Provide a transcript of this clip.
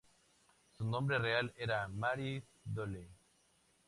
Su nombre real era Mary Dooley.